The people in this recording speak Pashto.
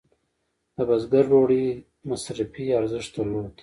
د بزګر ډوډۍ مصرفي ارزښت درلود.